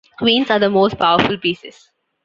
Queens are the most powerful pieces.